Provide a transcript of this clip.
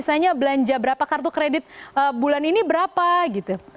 biasanya belanja berapa kartu kredit bulan ini berapa gitu